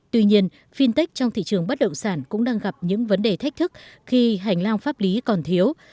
tuy nhiên fintech trong thị trường bất động sản cũng đang gặp những vấn đề thách thức khi hành lang pháp lý còn thiếu